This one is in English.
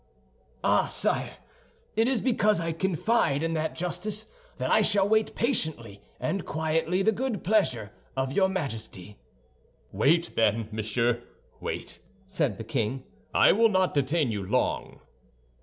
"Ah, sire; it is because I confide in that justice that I shall wait patiently and quietly the good pleasure of your Majesty." "Wait, then, monsieur, wait," said the king; "I will not detain you long."